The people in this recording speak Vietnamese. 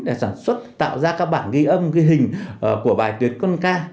để sản xuất tạo ra các bản ghi âm ghi hình của bài tiến quân ca